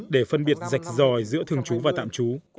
để phân biệt rạch dòi giữa thường chú và tạm chú